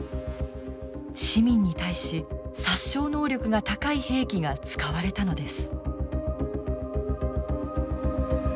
市民に対し殺傷能力が高い兵器が使われたのです。